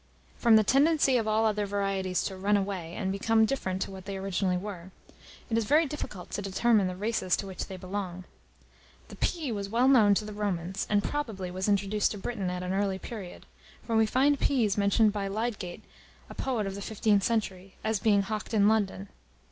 From the tendency of all other varieties "to run away" and become different to what they originally were, it is very difficult to determine the races to which they belong. The pea was well known to the Romans, and, probably, was introduced to Britain at an early period; for we find peas mentioned by Lydgate, a poet of the 15th century, as being hawked in London.